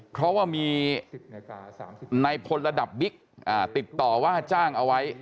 เพราะว่ามีในพลระดับบิ๊กติดต่อว่าจ้างเอาไว้